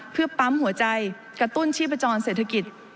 เพื่อปั๊มหัวใจกระตุ้นชีพจรเศรษฐกิจ